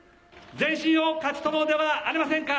前進を勝ち取ろうではありませんか。